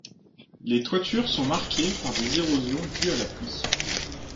Les toitures sont marquées par des érosions dues à la pluie.